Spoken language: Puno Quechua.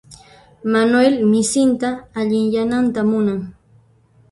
Manuel misinta allinyananta munan.